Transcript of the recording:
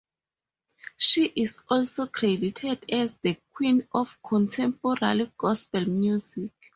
She is also credited as the Queen of Contemporary Gospel Music.